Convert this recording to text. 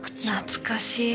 懐かしい。